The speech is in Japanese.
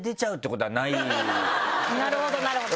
なるほどなるほど。